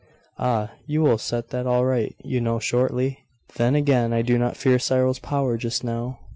'Ah, you will set that all right, you know, shortly. Then again, I do not fear Cyril's power just now.